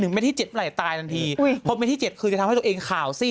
เดี๋ยวเบรคมา๒๐นาทีเดี๋ยวเบรคมา๓๐นาที